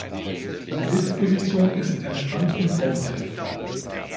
Die Sitzposition ist entspannt und aufrecht.